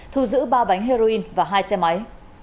thu giữ ba bánh heroin và hai xe máy